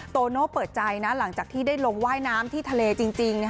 โตโน่เปิดใจนะหลังจากที่ได้ลงว่ายน้ำที่ทะเลจริง